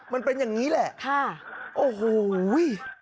มันเป็นอย่างนี้แหละค่ะโอ้โห